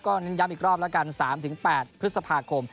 เน้นย้ำอีกรอบแล้วกัน๓๘พฤษภาคม